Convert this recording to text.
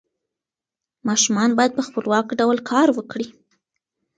ماشومان باید په خپلواک ډول کار وکړي.